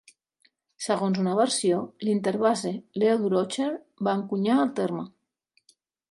Segons una versió, l'interbase Leo Durocher va encunyar el terme.